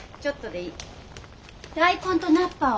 大根と菜っぱを？